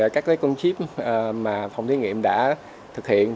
các con chip mà phòng thí nghiệm đã thực hiện